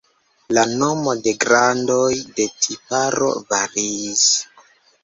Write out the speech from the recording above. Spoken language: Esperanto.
La nomo de grandoj de tiparo variis.